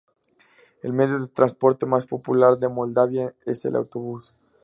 El medio de transporte más popular de Moldavia es el autobús.